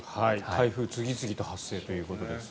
台風が次々と発生ということです。